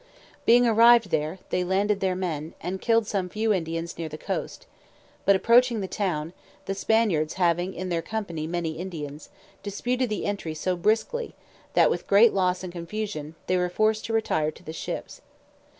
Being arrived there, they landed their men, and killed some few Indians near the coast; but approaching the town, the Spaniards having in their company many Indians, disputed the entry so briskly, that, with great loss and confusion, they were forced to retire to the ships.